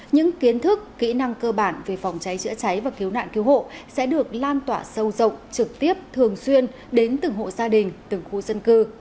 những kiến thức kỹ năng cơ bản về phòng cháy chữa cháy và cứu nạn cứu hộ sẽ được lan tỏa sâu rộng trực tiếp thường xuyên đến từng hộ gia đình từng khu dân cư